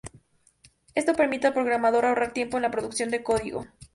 Esto permite al programador ahorrar tiempo en la producción de código.